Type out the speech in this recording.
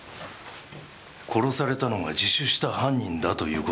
殺されたのが自首した犯人だという事もですか？